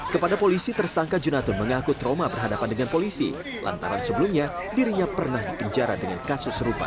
kepada polisi tersangka junatun mengaku trauma berhadapan dengan polisi lantaran sebelumnya dirinya pernah dipenjara dengan kasus serupa